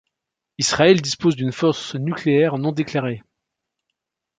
Israël dispose d'une force nucléaire non déclarée.